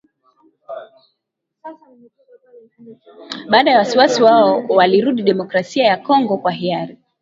Baadhi ya waasi hao walirudi Demokrasia ya Kongo kwa hiari